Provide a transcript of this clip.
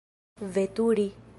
veturi